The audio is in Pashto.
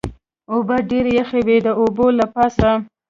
اوبه ډېرې یخې وې، د اوبو له پاسه.